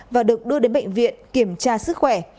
và được đưa đến bệnh viện kiểm tra sức khỏe